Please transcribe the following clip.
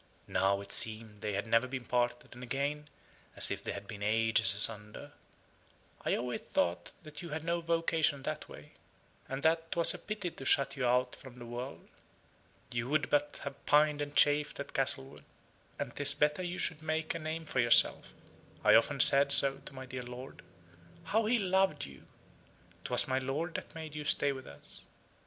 (Now, it seemed they never had been parted, and again, as if they had been ages asunder.) "I always thought you had no vocation that way; and that 'twas a pity to shut you out from the world. You would but have pined and chafed at Castlewood: and 'tis better you should make a name for yourself. I often said so to my dear lord. How he loved you! 'Twas my lord that made you stay with us."